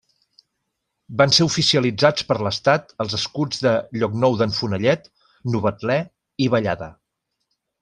Van ser oficialitzats per l'Estat els escuts de Llocnou d'en Fenollet, Novetlè i Vallada.